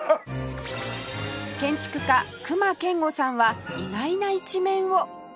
建築家隈研吾さんは意外な一面を